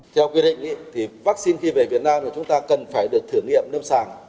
theo quyết định vaccine khi về việt nam chúng ta cần phải được thử nghiệm nâm sàng